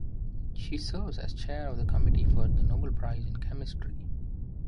She serves as Chair of the Committee for the Nobel Prize in Chemistry.